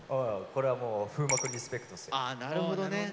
これはもう風磨くんリスペクトですよ。